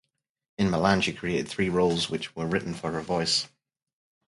In Milan she created three roles which were written for her voice.